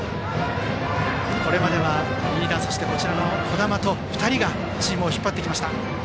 これまでは飯田、児玉の２人がチームを引っ張ってきました。